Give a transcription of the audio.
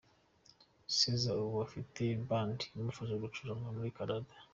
Cassa ubu afite band imufasha gucuranga muri Canada.